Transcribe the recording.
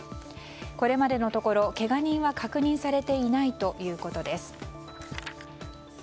これまでのところ、けが人は確認されていないということです。